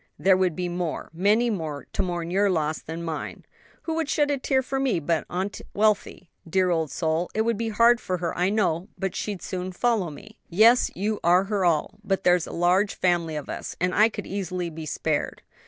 There would be more, many more, to mourn your loss than mine. Who would shed a tear for me but Aunt Wealthy? Dear old soul, it would be hard for her, I know; but she'd soon follow me." "Yes, you are her all; but there's a large family of us, and I could easily be spared."